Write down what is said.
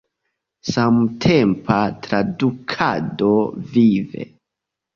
Samtempa tradukado – vive!